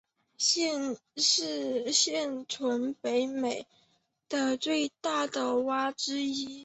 是现存北美的最大的蛙之一。